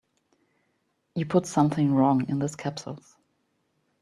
You put something wrong in those capsules.